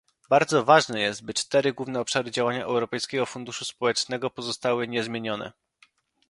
Bardzo ważne jest, by cztery główne obszary działania Europejskiego Funduszu Społecznego pozostały niezmienione